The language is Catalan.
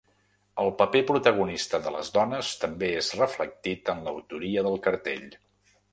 El paper protagonista de les dones també és reflectit en l’autoria del cartell.